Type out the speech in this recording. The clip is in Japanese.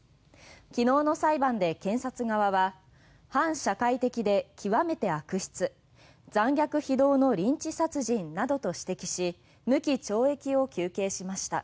昨日の裁判で検察側は反社会的で極めて悪質残虐非道のリンチ殺人などと指摘し無期懲役を求刑しました。